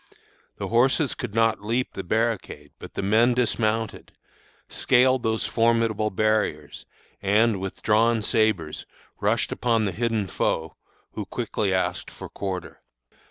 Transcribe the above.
The horses could not leap the barricade, but the men dismounted, scaled those formidable barriers, and, with drawn sabres, rushed upon the hidden foe, who quickly asked for quarter.